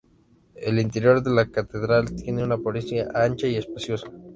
El interior de la catedral tiene una apariencia ancha y espaciosa.